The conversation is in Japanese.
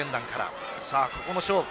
ここも勝負。